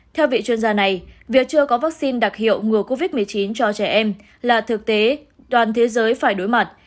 theo vị chuyên gia này việc chưa có vaccine đặc hiệu ngừa covid một mươi chín cho trẻ em là thực tế toàn thế giới phải đối mặt